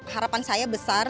harapan saya besar